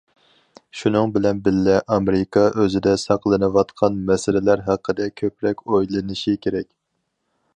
شۇنىڭ بىلەن بىللە، ئامېرىكا ئۆزىدە ساقلىنىۋاتقان مەسىلىلەر ھەققىدە كۆپرەك ئويلىنىشى كېرەك.